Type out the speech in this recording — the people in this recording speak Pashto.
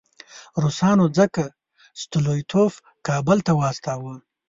روسانو ځکه ستولیتوف کابل ته واستاوه.